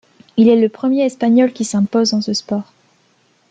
Il est le premier Espagnol qui s'impose dans ce sport.